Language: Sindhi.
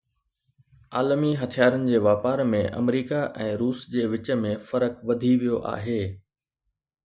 عالمي هٿيارن جي واپار ۾ آمريڪا ۽ روس جي وچ ۾ فرق وڌي ويو آهي